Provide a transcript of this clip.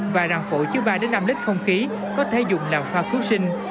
và rằng phổ chứa ba năm lít không khí có thể dùng làm pha khuất sinh